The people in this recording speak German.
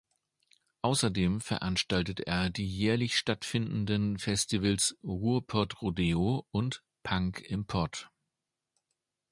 Außerdem veranstaltet er die jährlich stattfindenden Festivals Ruhrpott Rodeo und Punk im Pott.